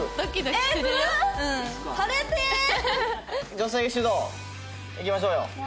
女性主導いきましょうよ。